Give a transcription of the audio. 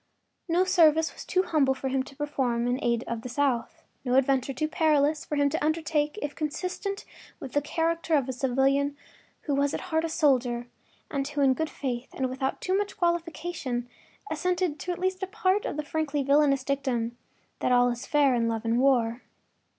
No service was too humble for him to perform in the aid of the South, no adventure too perilous for him to undertake if consistent with the character of a civilian who was at heart a soldier, and who in good faith and without too much qualification assented to at least a part of the frankly villainous dictum that all is fair in love and war.